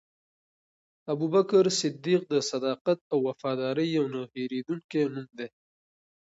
ابوبکر صدیق د صداقت او وفادارۍ یو نه هېرېدونکی نوم دی.